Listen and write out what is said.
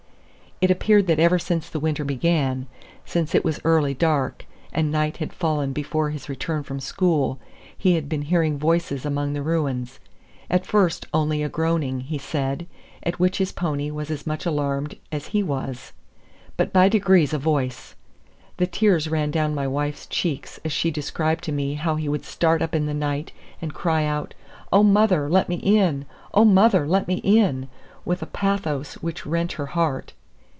It appeared that ever since the winter began since it was early dark, and night had fallen before his return from school he had been hearing voices among the ruins: at first only a groaning, he said, at which his pony was as much alarmed as he was, but by degrees a voice. The tears ran down my wife's cheeks as she described to me how he would start up in the night and cry out, "Oh, mother, let me in! oh, mother, let me in!" with a pathos which rent her heart.